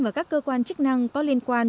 và các cơ quan chức năng có liên quan